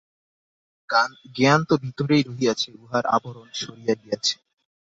জ্ঞান তো ভিতরেই রহিয়াছে, উহার আবরণ সরিয়া গিয়াছে।